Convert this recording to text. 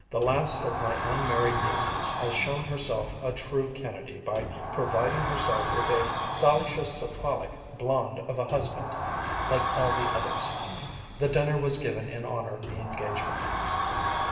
"The last of my unmarried nieces has shown herself a true Kennedy by providing herself with a dolichocephalic blond of a husband, like all the others. The dinner was given in honor of the engagement."